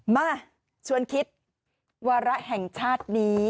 มาชวนคิดวาระแห่งชาตินี้